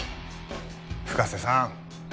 深瀬さん